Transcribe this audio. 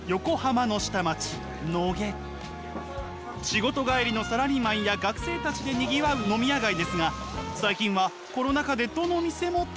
仕事帰りのサラリーマンや学生たちでにぎわう飲み屋街ですが最近はコロナ禍でどの店も大変なようです。